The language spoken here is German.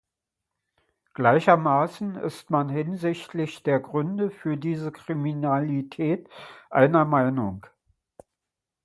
Gleichermaßen ist man hinsichtlich der Gründe für diese Kriminalität einer Meinung.